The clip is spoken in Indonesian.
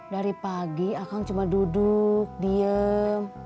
dari pagi aku cuma duduk diem